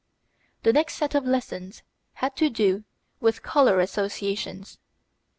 The next set of lessons had to do with colour associations.